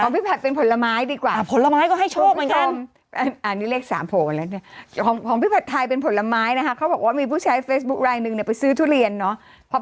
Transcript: ของพี่ผัดเป็นผลไม้ดีกว่าผลไม้ก็ให้โชคเหมือนกันอันนี้เลข๓โผล่แล้วเนี่ยของพี่ผัดไทยเป็นผลไม้นะคะเขาบอกว่ามีผู้ใช้เฟซบุ๊กไลน์นึงไปซื้อทุเรียนเนาะ